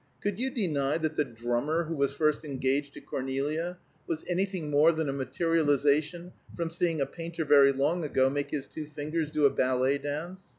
Could you deny that the drummer who was first engaged to Cornelia was anything more than a materialization from seeing a painter very long ago make his two fingers do a ballet dance?